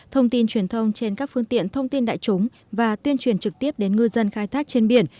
thông tin truyền thông trên các phương tiện thông tin đại chúng và tuyên truyền trực tiếp đến ngư dân khai thác trên biển